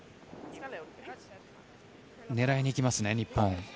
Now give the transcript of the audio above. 狙いに行きますね、日本。